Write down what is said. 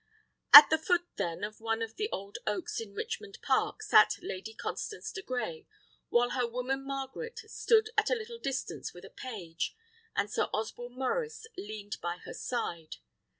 At the foot, then, of one of the old oaks in Richmond Park sat Lady Constance de Grey, while her woman Margaret stood at a little distance with a page, and Sir Osborne Maurice leaned by her side.